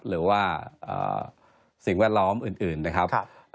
หรือว่าสิ่งแวดล้อมอื่นนะครับ